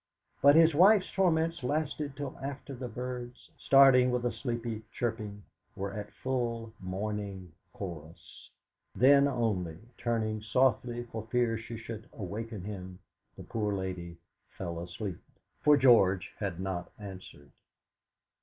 But his wife's torments lasted till after the birds, starting with a sleepy cheeping, were at full morning chorus. Then only, turning softly for fear she should awaken him, the poor lady fell asleep. For George had not answered.